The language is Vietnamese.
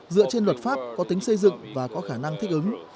dựa trên luật pháp có tính xây dựng và có khả năng thích ứng